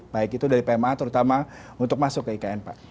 baik itu dari pma terutama untuk masuk ke ikn pak